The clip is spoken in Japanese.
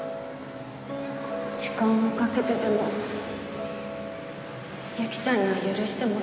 時間をかけてでもゆきちゃんには許してもらわないと。